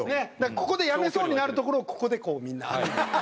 ここでやめそうになるところをここでこうみんな。